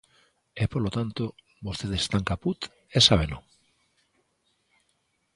E, polo tanto, vostedes están caput e sábeno.